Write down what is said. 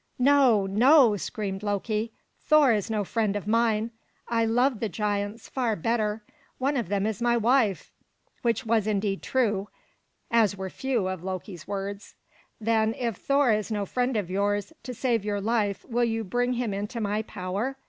"No, no!" screamed Loki. "Thor is no friend of mine. I love the giants far better! One of them is my wife!" which was indeed true, as were few of Loki's words. "Then if Thor is no friend of yours, to save your life will you bring him into my power?"